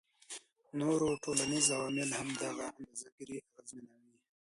نور ټولنیز عوامل هم دغه اندازه ګيرۍ اغیزمنوي